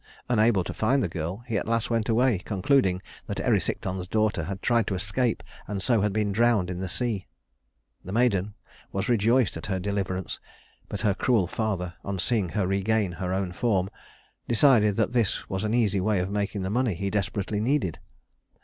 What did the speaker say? Unable to find the girl, he at last went away, concluding that Erysichthon's daughter had tried to escape and so had been drowned in the sea. The maiden was rejoiced at her deliverance; but her cruel father, on seeing her regain her own form, decided that this was an easy way of making the money he desperately needed.